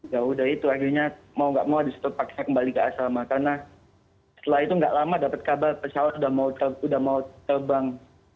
jauh dari itu akhirnya mau gak mau disitu paksa kembali ke asrama karena setelah itu nggak lama dapat kabar pesawat sudah mau terbang